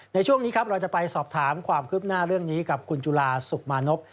ในช่วงนี้ครับเราจะไปสอบถามความคืบหน้าเรื่องนี้กับคุณจุฬาสุขมานพ